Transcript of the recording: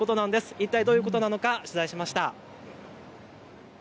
いったいどういうことなのか取材しました。